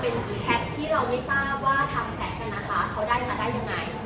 เป็นแชทที่เราไม่ทราบว่าทางแชทนะคะเขาได้มาได้ยังไง